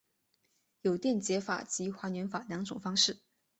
有电解法及还原法两种方式。